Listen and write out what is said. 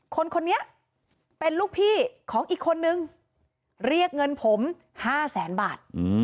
คนนี้เป็นลูกพี่ของอีกคนนึงเรียกเงินผม๕แสนบาท